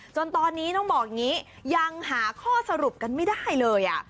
จนตอนนี้ต้องบอกอย่างนี้ยังหาข้อสรุปกันไม่ได้เลย